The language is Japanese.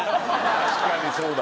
確かにそうだ